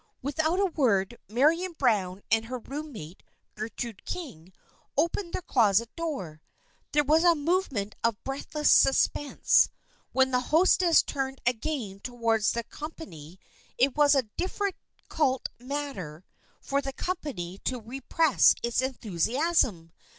Without a word, Marian Browne and her room mate, Gertrude King, opened their closet door. There was a movement of breathless suspense. When the hostesses turned again towards the com pany it was a difficult matter for the company to repress its enthusiasm.